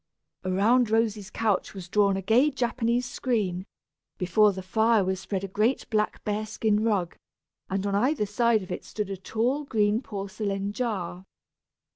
Around Rosy's couch was drawn a gay Japanese screen; before the fire was spread a great black bear skin rug, and on either side of it stood a tall green porcelain jar.